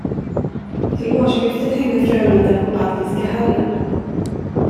Till årsskiftet hängde Frölunda på Baltiska hallen.